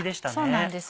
そうなんです。